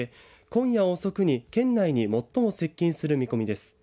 今夜遅くに県内に最も接近する見込みです。